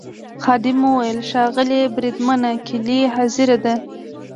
خادم وویل: ښاغلی بریدمنه کیلۍ حاضره ده.